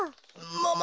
もも